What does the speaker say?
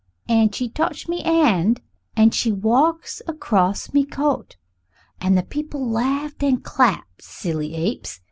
"And she just touched me 'and and walks across me coat. And the people laughed and clapped silly apes!